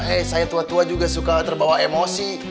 eh saya tua tua juga suka terbawa emosi